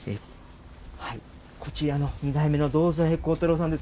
こちらの２代目の堂添光太郎さんです。